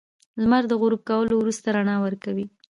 • لمر د غروب کولو وروسته رڼا ورکوي.